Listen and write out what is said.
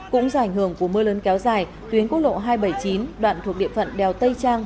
cũng do ảnh hưởng của mưa lớn kéo dài tuyến quốc lộ hai trăm bảy mươi chín đoạn thuộc địa phận đèo tây trang